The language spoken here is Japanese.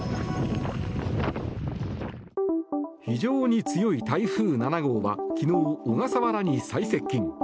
非常に強い台風７号は昨日、小笠原に最接近。